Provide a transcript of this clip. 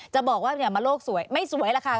จะบอกว่ามันโลกสวยไม่สวยล่ะค่ะ